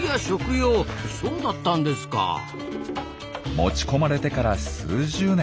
持ち込まれてから数十年。